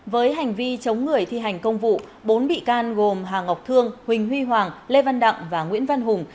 với hành vi chống người thi hành công vụ bốn bị can gồm hà ngọc thương huỳnh huy hoàng lê văn đặng và nguyễn văn hùng